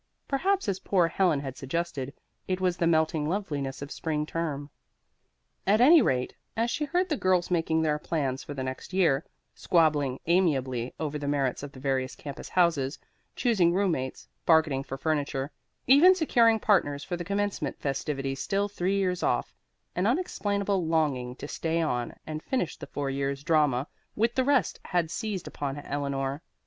Perhaps, as poor Helen had suggested, it was the melting loveliness of spring term. At any rate, as she heard the girls making their plans for the next year, squabbling amiably over the merits of the various campus houses, choosing roommates, bargaining for furniture, even securing partners for the commencement festivities still three years off, an unexplainable longing to stay on and finish the four years' drama with the rest had seized upon Eleanor.